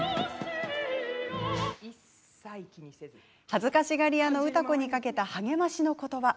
恥ずかしがり屋の歌子にかけた励ましの言葉